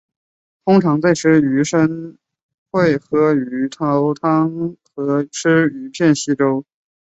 通常在吃鱼生会喝鱼头汤和吃鱼片稀粥。